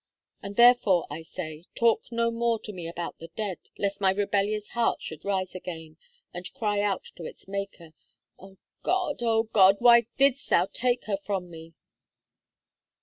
And, therefore, I say, talk no more to me about the dead, lest my rebellious heart should rise again, and cry out to its Maker: 'Oh God! oh God! why didst thou take her from me!'"